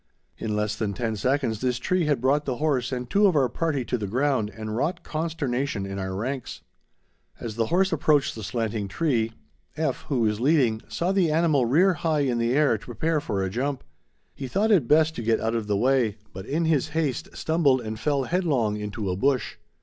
In less than ten seconds this tree had brought the horse and two of our party to the ground and wrought consternation in our ranks. As the horse approached the slanting tree, F., who was leading, saw the animal rear high in the air to prepare for a jump. He thought it best to get out of the way, but in his haste stumbled and fell headlong into a bush.